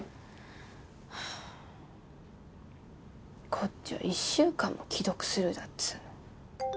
こっちは１週間も既読スルーだっつうの。